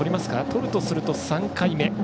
とるとすると３回目。